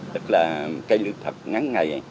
tức là cây lưỡng thật ngắn ngày